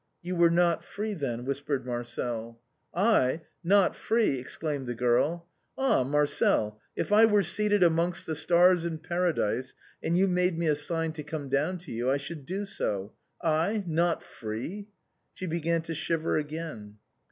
" You were not free, then," whispered Marcel. " I ! not free !" exclaimed the girl. " Ah ! Marcel, if I were seated amongst the stars in Paradise and you made me a sign to come down to you I should do so. I ! not free !" She began to shiver again.